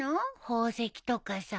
宝石とかさ。